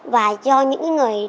và do những người khuyết tật